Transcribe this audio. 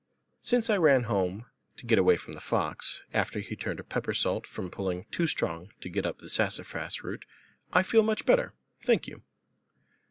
"Since I ran home to get away from the fox, after he turned a peppersault from pulling too strong to get up the sassafras root, I feel much better, thank you."